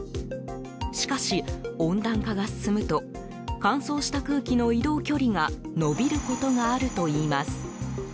しかし、温暖化が進むと乾燥した空気の移動距離が延びることがあるといいます。